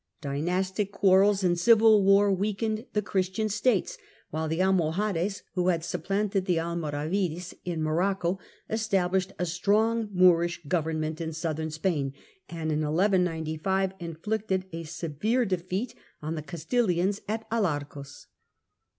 Dynastic quarrels and civil war weakened the Christian states, while the Almohades, who had supplanted the Almoravides in Morocco, established a strong Moorish government in southern Spain, and in 1195 inflicted a severe defeat on the Castilians at Alarcos.